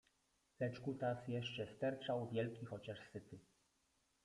Lecz kutas jeszcze sterczał, wielki, chociaż syty.